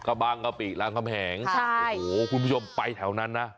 บางกะปิรามคำแหงใช่โอ้โหคุณผู้ชมไปแถวนั้นนะ